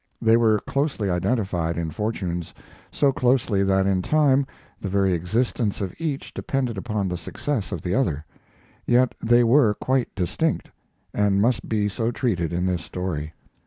They were closely identified in fortunes, so closely that in time the very existence of each depended upon the success of the other; yet they were quite distinct, and must be so treated in this story.